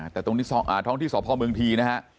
แต่ตรงที่สอบภาวเมืองที